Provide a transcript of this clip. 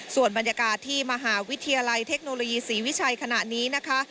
ส่วนบรรยากาศที่มหาวิทยาลัยเทคโนโลยีศรีวิชัยขณะนี้นะคะ